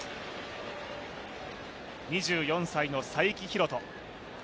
２４歳の才木浩人。